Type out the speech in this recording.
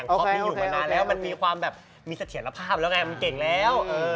เพราะพี่อยู่มานานแล้วมันมีความแบบมีเสถียรภาพแล้วไงมันเก่งแล้ว